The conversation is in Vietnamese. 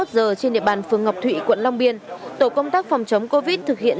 hai mươi giờ trên địa bàn phường ngọc thụy quận long biên tổ công tác phòng chống covid thực hiện